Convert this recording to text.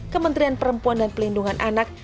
kementerian perempuan dan pelindungan anak